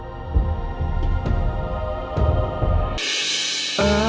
aku mau keluar